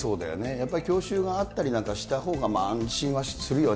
やっぱり教習があったりとかするほうが安心はするよね。